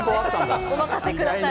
おまかせください。